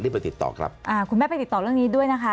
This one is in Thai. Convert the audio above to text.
ไปติดต่อครับอ่าคุณแม่ไปติดต่อเรื่องนี้ด้วยนะคะ